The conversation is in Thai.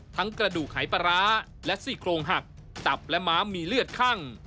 กระดูกหายปลาร้าและซี่โครงหักตับและม้ามมีเลือดคั่ง